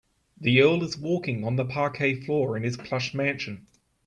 The earl is walking on the parquet floor in his plush mansion.